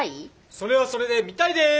それはそれで見たいです！